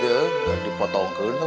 gak dipotong ke itu loh ya kan